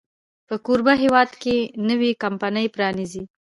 په کوربه هېواد کې نوې کمپني پرانیزي.